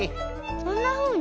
こんなふうに？